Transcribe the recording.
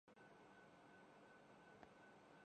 حروف کی عدم حساسیت کی چھٹائی کریں